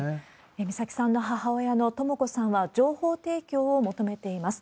美咲さんの母親のとも子さんは、情報提供を求めています。